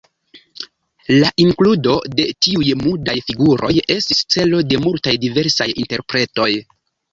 La inkludo de tiuj nudaj figuroj estis celo de multaj diversaj interpretoj.